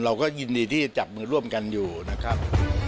เราก็ยินดีที่จะจับมือร่วมกันอยู่นะครับ